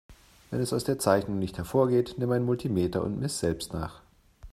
Wenn es aus der Zeichnung nicht hervorgeht, nimm ein Multimeter und miss selbst nach.